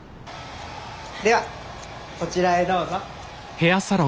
ではこちらへどうぞ。